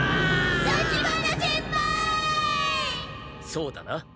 そうだな？